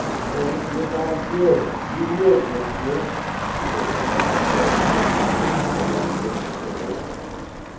"Thank LE BON DIEU, you live, m'sieu," he heard the voice say, as if coming from a long distance away.